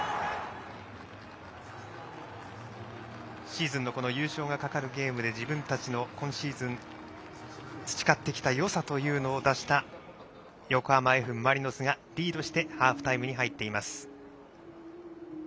シーズンの優勝が懸かるゲームで自分たちの今シーズン培ってきたよさというのを出した横浜Ｆ・マリノスがリードしてハーフタイムに入っています。